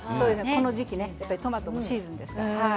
この時期トマトのシーズンですからね。